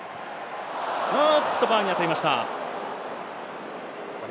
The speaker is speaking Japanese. あっと、バーに当たりました。